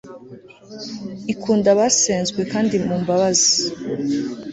ikunda abasenzwe, kandi mu mbabazi